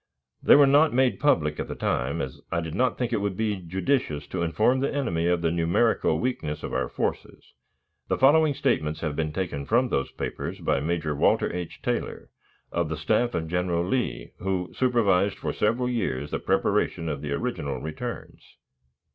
They were not made public at the time, as I did not think it to be judicious to inform the enemy of the numerical weakness of our forces. The following statements have been taken from those papers by Major Walter H. Taylor, of the staff of General Lee, who supervised for several years the preparation of the original returns.